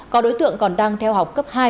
có đối tượng còn đang theo học cấp hai